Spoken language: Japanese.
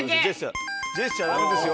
ジェスチャーダメですよ